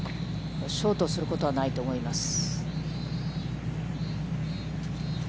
ショートすることはないと思います。